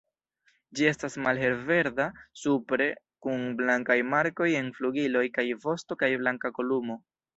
Ĝi estas malhelverda supre, kun blankaj markoj en flugiloj kaj vosto kaj blanka kolumo.